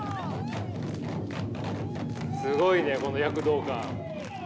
すごいねこの躍動感。